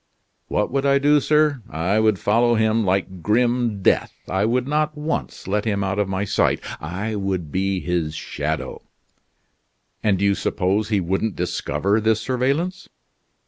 "What would I do, sir! I would follow him like grim death; I would not once let him out of my sight; I would be his shadow." "And do you suppose he wouldn't discover this surveillance?"